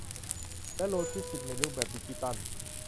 และโลจิสติกส์ในรูปแบบดิจิทัล